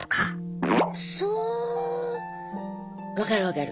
そう分かる分かる。